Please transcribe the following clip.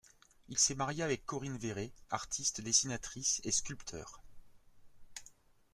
Il s'est marié avec Corinne Véret, artiste dessinatrice et sculpteur.